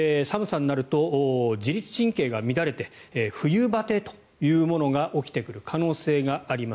寒さになると自律神経が乱れて冬バテというものが起きてくる可能性があります。